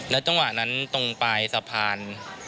จังหวะนั้นตรงปลายสะพาน